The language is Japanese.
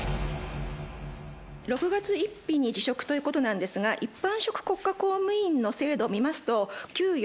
６月１日に辞職ということなんですが、一般職国家公務員の制度を見ますと、給与、